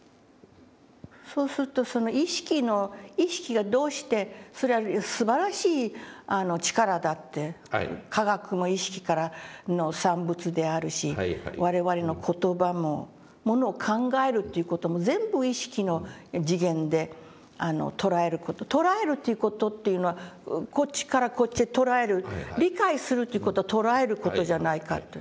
そうするとその意識の意識がどうしてそれはすばらしい力だって科学も意識からの産物であるし我々の言葉もものを考えるという事も全部意識の次元で捉える事捉えるという事というのはこっちからこっちへ捉える理解するという事は捉える事じゃないかと。